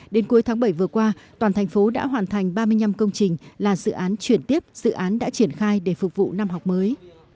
đến cuối tháng bảy vừa qua toàn thành phố đã hoàn thành ba mươi năm công trình là dự án chuyển tiếp dự án đã triển khai để phục vụ năm học mới